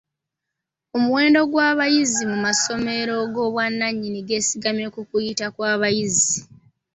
Omuwendo gw'abayizi mu masomero g'obwannannyini gwesigama ku kuyita kw'abayizi.